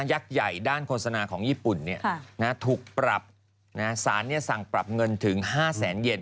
ใหญ่ด้านโฆษณาของญี่ปุ่นถูกปรับสารสั่งปรับเงินถึง๕แสนเย็น